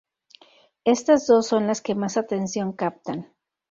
Estas dos, son las que más atención captan.